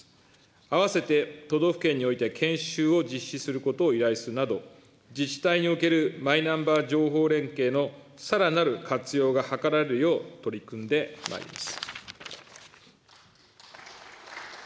あわせて都道府県において研修を実施することを依頼するなど、自治体におけるマイナンバー情報連携のさらなる活用が図られるよう取り組んでまいります。